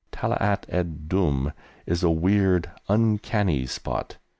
Talaat ed Dumm is a weird uncanny spot.